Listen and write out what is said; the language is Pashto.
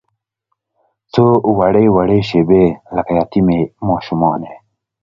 څووړې، وړې شیبې لکه یتیمې ماشومانې